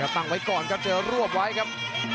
ตั้งไว้ก่อนครับเจอรวบไว้ครับ